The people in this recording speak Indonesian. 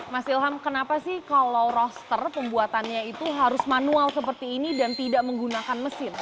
mas ilham kenapa sih kalau roster pembuatannya itu harus manual seperti ini dan tidak menggunakan mesin